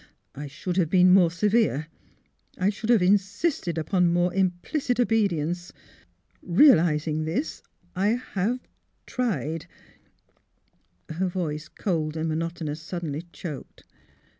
I should have been more severe — I should have in SYLVIA'S CHILD 285 sisted upon more implicit obedience. Realising this, I have — tried " Her voice, cold and monotonous, suddenly choked.